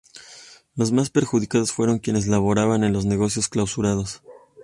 Los más perjudicados fueron quienes laboraban en los negocios clausurados.